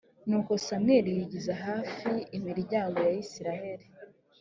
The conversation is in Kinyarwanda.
nuko samweli yigiza hafi imiryango ya isirayeli